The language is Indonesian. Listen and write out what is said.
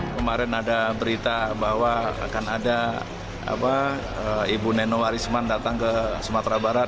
kemarin ada berita bahwa akan ada ibu nenowarisman datang ke sumatera barat